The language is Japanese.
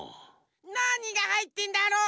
なにがはいってんだろ。